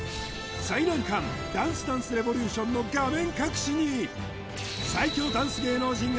最難関ダンスダンスレボリューションの画面